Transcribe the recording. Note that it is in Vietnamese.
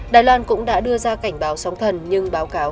đài loan cũng đã đưa ra cảnh báo sóng thần nhưng báo cáo